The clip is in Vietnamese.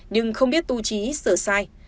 nhưng không biết tu trí sửa sai